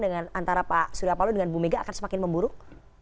dengan antara pak suriapalo dengan ibu mega akan semakin memburuk